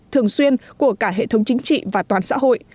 thường xuyên của cả hệ thống chính trị và toàn xã hội